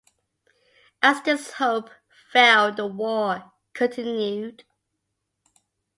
As this hope failed the war continued.